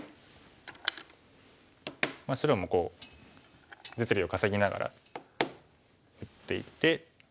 白もこう実利を稼ぎながら打っていて。